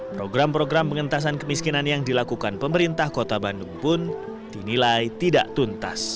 program program pengentasan kemiskinan yang dilakukan pemerintah kota bandung pun dinilai tidak tuntas